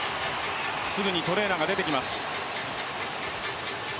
すぐにトレーナーが出てきます。